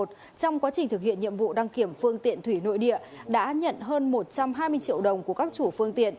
trong quá trình thực hiện nhiệm vụ đăng kiểm phương tiện thủy nội địa đã nhận hơn một trăm hai mươi triệu đồng của các chủ phương tiện